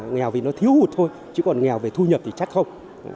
nghèo vì nó thiếu hụt thôi chứ còn nghèo về thu nhập thì chắc không